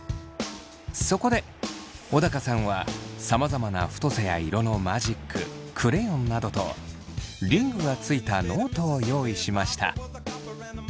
そこで小高さんはさまざまな太さや色のマジッククレヨンなどとリングがついたノートを用意しました。